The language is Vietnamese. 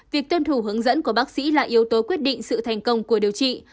việc tuân thủ hướng dẫn của bác sĩ là yếu tố quyết định sự thành công của điều trị